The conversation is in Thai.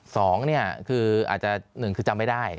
สองคืออาจจะ๑คือจำไม่ได้